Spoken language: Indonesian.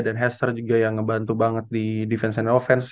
dan hester juga yang ngebantu banget di defense and offense